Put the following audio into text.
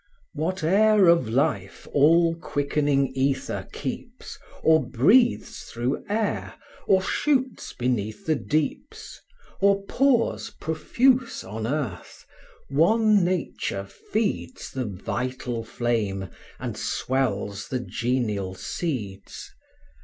Whate'er of life all quickening ether keeps, Or breathes through air, or shoots beneath the deeps, Or pours profuse on earth, one nature feeds The vital flame, and swells the genial seeds.